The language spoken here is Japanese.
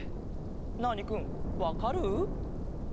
ナーニくんわかる？